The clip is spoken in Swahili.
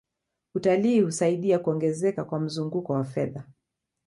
utalii husaidia kuongezeka kwa mzunguko wa fedha